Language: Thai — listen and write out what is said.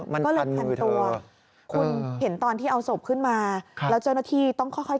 มันก็เลยพันตัวคุณเห็นตอนที่เอาศพขึ้นมาแล้วเจ้าหน้าที่ต้องค่อย